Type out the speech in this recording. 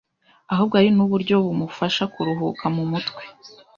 ahubwo ari n’uburyo bumufasha kuruhuka mu mutwe.